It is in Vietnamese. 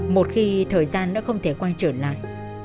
một khi thời gian đã không thể quay trở lại